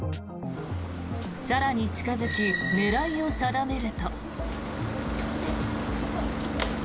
更に近付き、狙いを定めると。